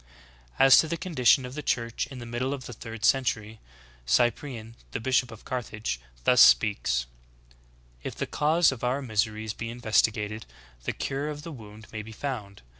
^ 8. As to the condition of the Church in the middle of the third century, Cyprian, the bishop of Carthage, thus speaks : ''If the cause of our miseries be investigated, the cure of the wound may be found.